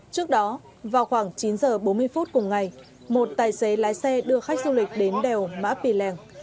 trước đó vào khoảng chín giờ bốn mươi phút cùng ngày một tài xế lái xe đưa khách du lịch đến đèo mã pì lèng